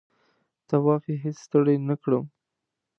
طواف یې هېڅ ستړی نه کړم.